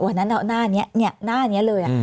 วันนั้นเอาหน้านี้หน้านี้เลย